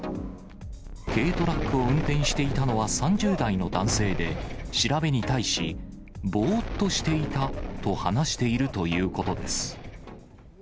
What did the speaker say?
軽トラックを運転していたのは３０代の男性で、調べに対し、ぼーっとしていたと話しているということです。